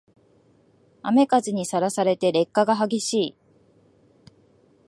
雨風にさらされて劣化が激しい